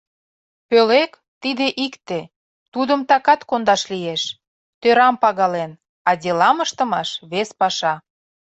— Пӧлек — тиде икте, тудым такат кондаш лиеш, тӧрам пагален, а делам ыштымаш — вес паша.